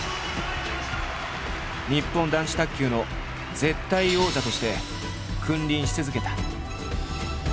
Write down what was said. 日本男子卓球の絶対王者として君臨し続けた。